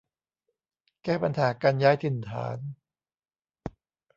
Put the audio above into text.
แก้ปัญหาการย้ายถิ่นฐาน